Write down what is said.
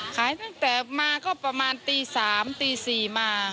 ขายตั้งแต่มาก็ประมาณตี๓ตี๔มา